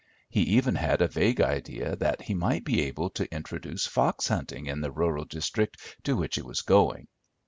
He even had a vague idea that he might be able to introduce fox hunting in the rural district to which he was going.